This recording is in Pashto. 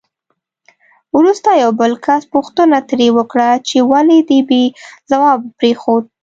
وروسته یو بل کس پوښتنه ترې وکړه چې ولې دې بې ځوابه پرېښود؟